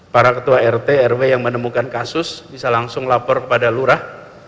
para ketua rt rw yang menemukan kasus bisa langsung lapor kepada lurah